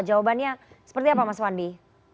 jawabannya seperti apa mas wandi